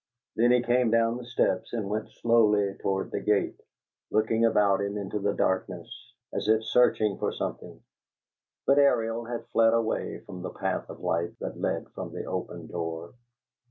Then he came down the steps and went slowly toward the gate, looking about him into the darkness as if searching for something; but Ariel had fled away from the path of light that led from the open door.